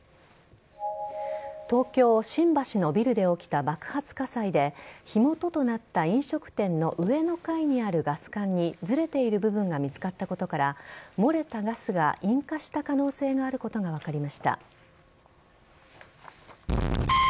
東京・新橋のビルで起きた爆発火災で火元となった飲食店の上の階にあるガス管にずれている部分が見つかったことから漏れたガスが引火した可能性があることが分かりました。